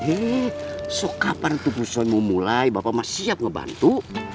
ih so kapan tuh busur mau mulai bapak masih siap ngebantu